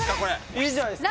いいんじゃないんすか